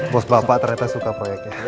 bos bapak ternyata suka proyeknya